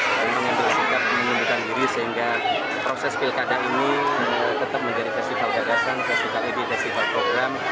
saya memang yang berusaha menyebutkan diri sehingga proses pilkada ini tetap menjadi festival gagasan festival ide festival program